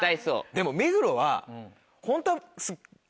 でも目黒は。